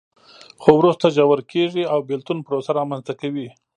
خو وروسته ژور کېږي او بېلتون پروسه رامنځته کوي.